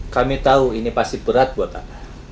kami tau ini pasti berat buat kamu